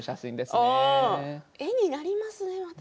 絵になりますね、また。